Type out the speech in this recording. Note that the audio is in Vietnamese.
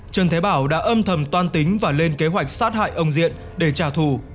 trần thế bảo đã âm thầm toan tính và lên kế hoạch sát hại ông diện để trả thù